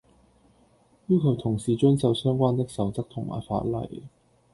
要求同事遵守相關的守則同埋法例